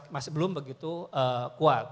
masih belum begitu kuat